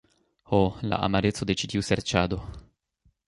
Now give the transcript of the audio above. Ho, la amareco de ĉi tiu serĉado.